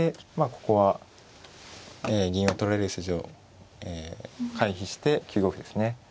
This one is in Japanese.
ここは銀を取られる筋を回避して９五歩ですね。